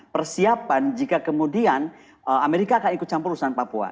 persiapan jika kemudian amerika akan ikut campur urusan papua